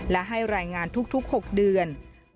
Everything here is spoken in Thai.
และให้รายงานทุก๖เดือน